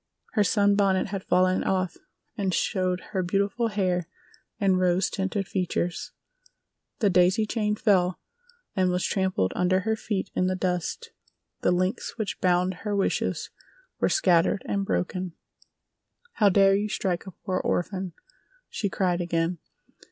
Her sunbonnet had fallen off and showed her beautiful hair and rose tinted features. The daisy chain fell and was trampled under her feet in the dust—the links which bound her wishes were scattered and broken. "How dare you strike a poor orphan?" she cried again.